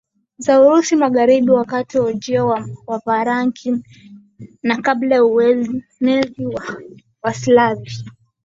za Urusi magharibi wakati wa ujio wa Wavarangi na kabla ya uenezi wa Waslavi